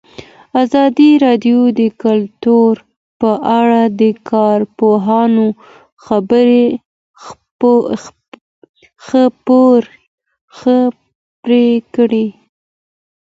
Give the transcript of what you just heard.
ازادي راډیو د کلتور په اړه د کارپوهانو خبرې خپرې کړي.